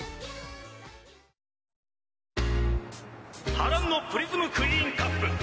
波乱のプリズムクイーンカップ。